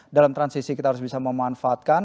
dalam transisi kita harus bisa memanfaatkan